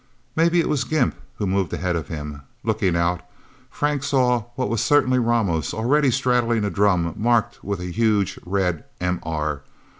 Maybe it was Gimp who moved ahead of him. Looking out, Frank saw what was certainly Ramos, already straddling a drum marked with a huge red M.R.